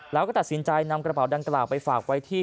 แล้วก็ตัดสินใจนำกระเป๋าดังกล่าวไปฝากไว้ที่